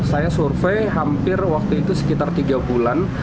saya survei hampir waktu itu sekitar tiga bulan